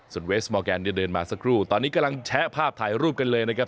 ส่วนเวสมอร์แกนเดินมาสักครู่ตอนนี้กำลังแชะภาพถ่ายรูปกันเลยนะครับ